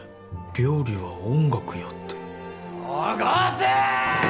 「料理は音楽や」って捜せ！